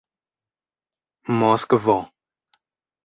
moskvo